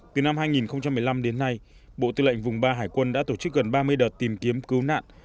từ năm hai nghìn một mươi năm đến nay bộ tư lệnh vùng ba hải quân đã tổ chức gần ba mươi đợt tìm kiếm cứu nạn